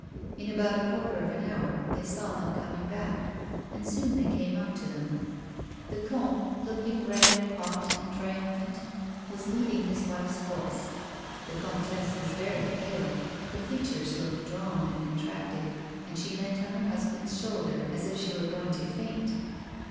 In about a quarter of an hour they saw them coining back, and soon they came up to them. The comte, looking red, hot and triumphant, was leading his wife's horse. The comtesse was very pale ; her features looked drawn and contracted, and she leant on her hus band's shoulder as if she were going to faint.